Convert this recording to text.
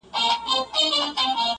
o چي سترگو ته يې گورم، وای غزل لیکي.